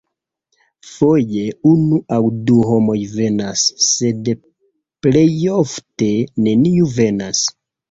Foje unu aŭ du homoj venas, sed plejofte neniu venas.